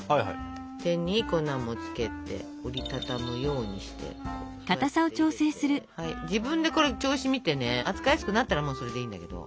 手に粉もつけて折り畳むようにしてこうやって入れて自分でこれ調子を見てね扱いやすくなったらもうそれでいいんだけど。